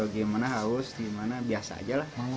gimana haus gimana biasa aja lah